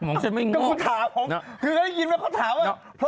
คุณได้ยินหมดค้าถามว่า